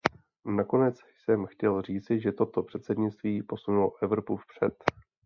Nakonec jsem chtěl říci, že toto předsednictví posunulo Evropu vpřed.